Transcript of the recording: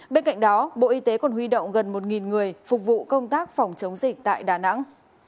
bên cạnh đó bộ y tế còn huy động gần một người phục vụ công tác phòng chống dịch tại đà nẵng